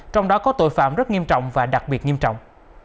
trong đó có tội phạm rất nghiêm trọng và đặc biệt nghiêm trọng